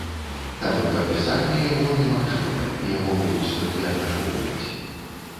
Таму падпісанне яго немагчымае, яго могуць толькі абмяркоўваць.